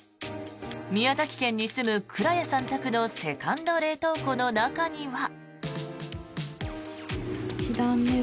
宮崎県に住む蔵屋さん宅のセカンド冷凍庫の中には。